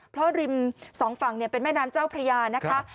เพราะริมสองฝั่งเป็นแม่น้ำเจ้าพระยานะคะ